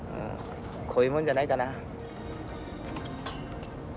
こういうもんじゃないかな。